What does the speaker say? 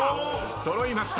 揃いました。